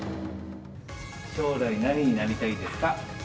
将来、何になりたいですか？